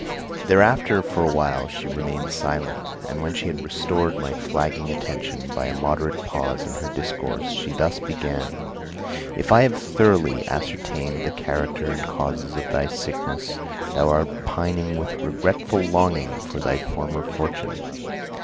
Thereafter for awhile she remained silent; and when she had restored my flagging attention by a moderate pause in her discourse, she thus began: 'If I have thoroughly ascertained the character and causes of thy sickness, thou art pining with regretful longing for thy former fortune.